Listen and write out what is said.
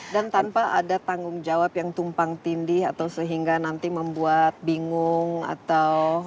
dan tanpa ada tanggung jawab yang tumpang tindih atau sehingga nanti membuat bingung atau itu